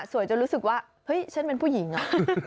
จนรู้สึกว่าเฮ้ยฉันเป็นผู้หญิงอ่ะ